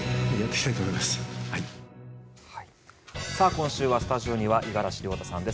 今週、スタジオには五十嵐亮太さんです。